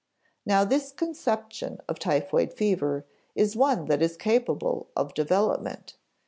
Now this conception of typhoid fever is one that is capable of development.